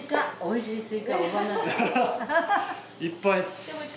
いっぱい。